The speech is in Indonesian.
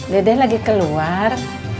dede lagi keluar